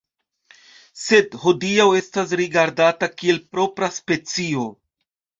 Sed hodiaŭ estas rigardata kiel propra specio.